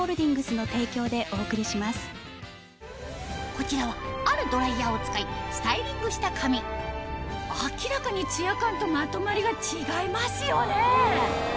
こちらはあるドライヤーを使いスタイリングした髪明らかにツヤ感とまとまりが違いますよね